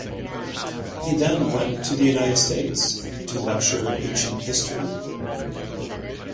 He then went to the United States to lecture ancient history.